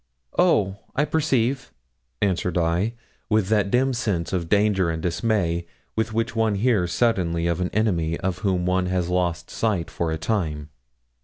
'Oh, I perceive,' answered I, with that dim sense of danger and dismay with which one hears suddenly of an enemy of whom one has lost sight for a time.